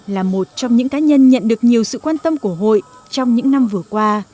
là một trong những cá nhân nhận được nhiều sự quan tâm của hội trong những năm vừa qua